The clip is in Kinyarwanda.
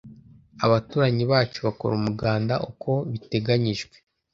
Abaturanyi bacu bakora umuganda uko biteganyijwe.